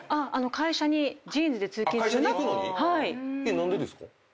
何でですか？